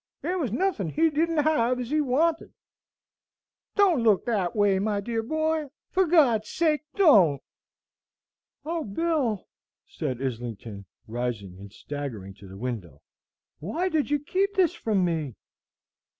There was nothin' he didn't have ez he wanted. Don't look that way, my dear boy, for God's sake, don't!" "O Bill," said Islington, rising and staggering to the window, "why did you keep this from me?"